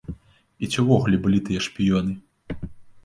І ці ўвогуле былі тыя шпіёны?